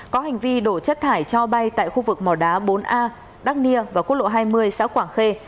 có hành vi đổ chất thải cho bay tại khu vực mỏ đá bốn a đắc nia và quốc lộ hai mươi xã quảng khê